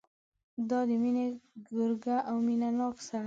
دا د مینې ګرګه او مینه ناک سړی.